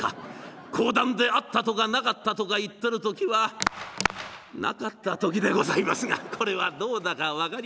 講談であったとかなかったとか言ってる時はなかった時でございますがこれはどうだか分かりません。